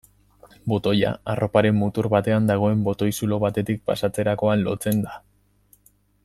Botoia, arroparen mutur batean dagoen botoi-zulo batetik pasatzerakoan lotzen da.